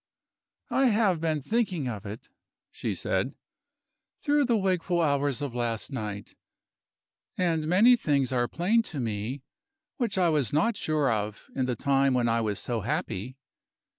"I have been thinking of it," she said, "through the wakeful hours of last night and many things are plain to me, which I was not sure of in the time when I was so happy.